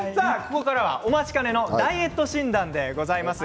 ここからはお待ちかねのダイエット診断でございます。